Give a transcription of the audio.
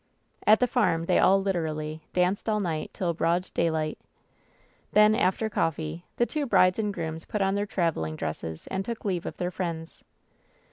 ^ At the farm they all literally: "Danced all night till broad daylight/' Then, after coffee, the two brides and grooms put on their traveling dresses and took leave of their friends.